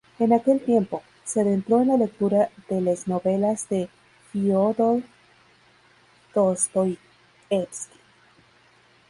En aquel tiempo, se adentró en la lectura de les novelas de Fiódor Dostoievski.